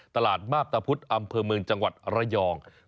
ตลาดมาบตะพุธอำเภอเมืองจังหวัดระยอง